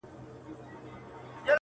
کلي ورو ورو بدلېږي ډېر،